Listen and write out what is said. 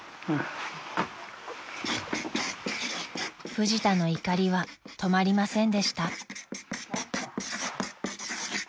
［フジタの怒りは止まりませんでした］